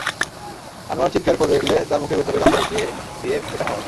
আনোয়ার চিৎকার করলে তার মুখের ভেতরে গামছা ঢুকিয়ে দিয়ে পেটানো হয়।